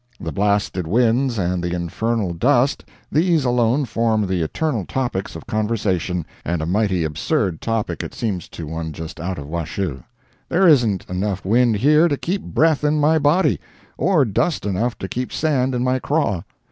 The blasted winds and the infernal dust—these alone form the eternal topics of conversation, and a mighty absurd topic it seems to one just out of Washoe. There isn't enough wind here to keep breath in my body, or dust enough to keep sand in my craw.